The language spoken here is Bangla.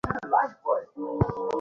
দেখিয়ে দিয়েছ, মা!